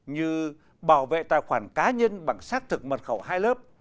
như bảo vệ tài khoản cá nhân bằng xác thực mật khẩu hai lớp